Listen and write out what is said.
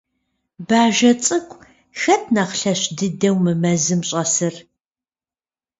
Бажэ цӀыкӀу, хэт нэхъ лъэщ дыдэу мы мэзым щӀэсыр?